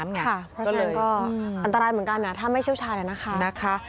เพราะฉะนั้นก็อันตรายเหมือนกันถ้าไม่เชี่ยวชาญนะคะ